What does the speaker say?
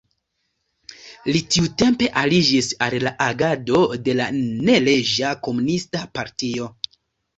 Li tiutempe aliĝis al la agado de la neleĝa komunista partio.